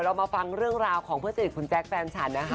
เรามาฟังเรื่องราวของเพื่อสีของคุณแจ๊กแฟมชัน